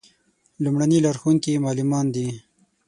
لومړني لارښوونکي یې معلمان دي.